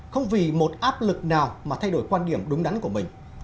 không vì một áp lực nào mà thay đổi quan điểm đúng đắn của mình